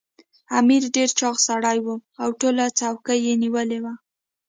امیر ډېر چاغ سړی وو او ټوله چوکۍ یې نیولې وه.